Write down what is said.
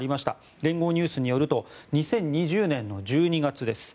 連合ニュースによると２０２０年１２月です。